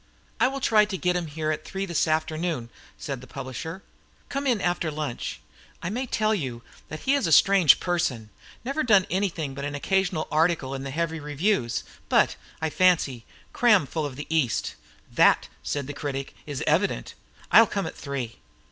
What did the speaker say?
"I will try to get him here at three this afternoon," said the publisher. "Come in after lunch. I may tell you that he is a strange person never done anything but an occasional article in the heavy reviews, but, I fancy, cram full of the East." "That," said the critic, "is evident. I'll come at three."